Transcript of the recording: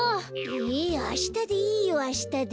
えあしたでいいよあしたで。